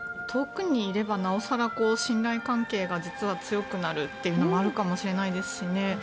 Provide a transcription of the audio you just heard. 遠くにいればなおさら信頼関係が実は強くなるというのもあるかもしれないですし。